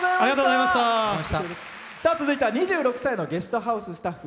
続いては２６歳のゲストハウススタッフ。